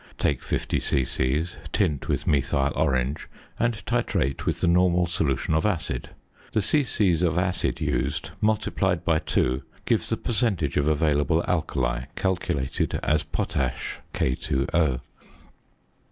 Take 50 c.c., tint with methyl orange, and titrate with the normal solution of acid. The c.c. of acid used multiplied by 2 gives the percentage of available alkali calculated as potash (K_O).